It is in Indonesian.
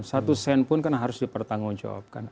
satu sen pun harus dipertanggung jawabkan